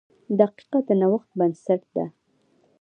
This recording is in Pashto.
• دقیقه د نوښت بنسټ ده.